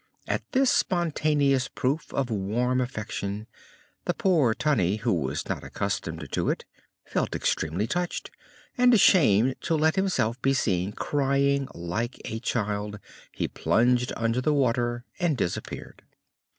At this spontaneous proof of warm affection, the poor Tunny, who was not accustomed to it, felt extremely touched, and, ashamed to let himself be seen crying like a child, he plunged under the water and disappeared.